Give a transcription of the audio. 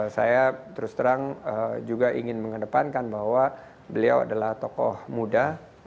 saya terus terang juga ingin mengedepankan bahwa beliau adalah tokoh muda